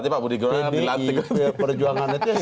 pdi perjuangan itu